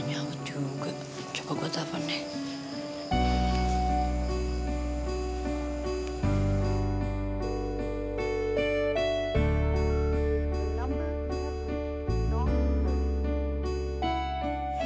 gak nyaut juga coba gue telfon deh